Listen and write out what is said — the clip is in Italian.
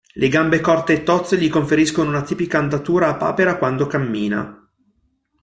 Le gambe corte e tozze gli conferiscono una tipica andatura a papera quando cammina.